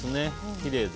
きれいで。